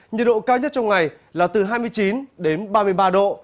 nhiệt độ cao nhất trong ngày là từ hai mươi chín đến ba mươi ba độ